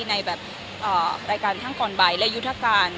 ในรายการทั้งก่อนบ่ายและยุทธการ